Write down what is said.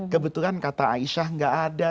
kebetulan kata aisyah gak ada